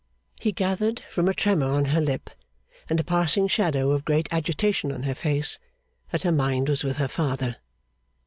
He gathered from a tremor on her lip, and a passing shadow of great agitation on her face, that her mind was with her father.